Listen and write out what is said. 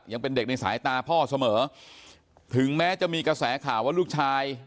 ยังเป็นเด็กในสายตาพ่อเสมอถึงแม้จะมีกระแสข่าวว่าลูกชาย